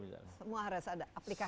semua harus ada aplikasi